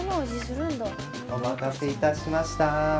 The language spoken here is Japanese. ・お待たせいたしました。